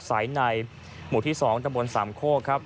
สายในโหมดที่๒ตำรวจ๓โคก